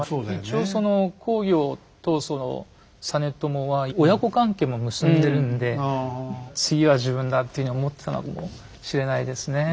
一応その公暁と実朝は親子関係も結んでるんで次は自分だっていうふうに思ってたのかもしれないですね。